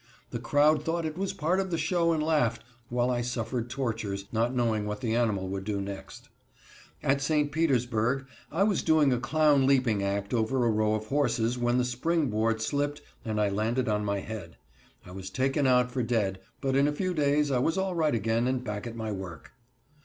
The crowd thought it was part of the show, and laughed, while I suffered tortures, not knowing what the animal would do next. At St. Petersburg I was doing a clown leaping act over a row of horses, when the springboard slipped and I landed on my head. I was taken out for dead, but in a few days I was all right again and back at my work.